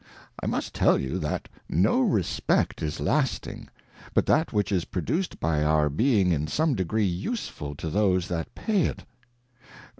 I must tell you, that no respect is lasting, but that which is produced by our being in some degree useful to those that pay it.